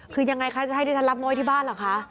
คือยังไงคะจะให้ดิฉันรับโม้ที่บ้านเหรอคะ